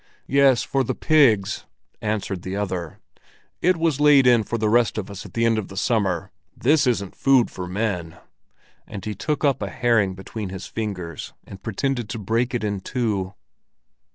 "Yes, for the pigs!" answered the other. "It was laid in for the rest of us at the end of the summer. This isn't food for men!" And he took up a herring between his fingers, and pretended to break it in two.